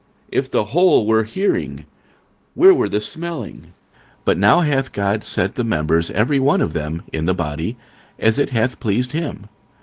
If the whole were hearing, where were the smelling? 46:012:018 But now hath God set the members every one of them in the body, as it hath pleased him.